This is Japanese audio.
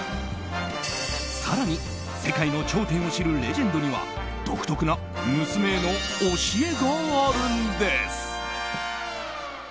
更に、世界の頂点を知るレジェンドには独特な娘への教えがあるんです。